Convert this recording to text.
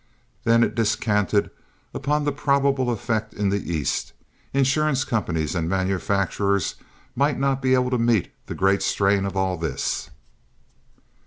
Then it descanted upon the probable effect in the East. Insurance companies and manufacturers might not be able to meet the great strain of all this.